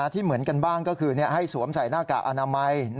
ที่เหมือนกันบ้างก็คือให้สวมใส่หน้ากากอนามัย